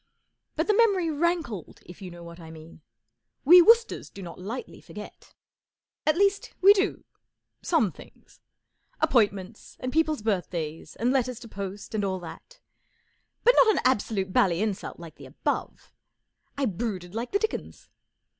But the memory rankled, jf you know what I mean. We Woosters do not lightly forget. At least, we do—some things—appointments, and people's birthdays, and letters to post. Copyright, 1937, by and all that—but not an absolute bally insult like the above, I brooded like the dickens.